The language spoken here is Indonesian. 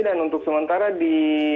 dan untuk sementara di